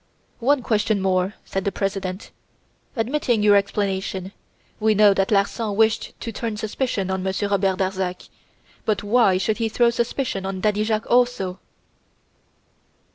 "One question more," said the President. "Admitting your explanation, we know that Larsan wished to turn suspicion on Monsieur Robert Darzac, but why should he throw suspicion on Daddy Jacques also?"